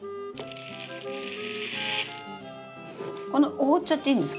覆っちゃっていいんですか？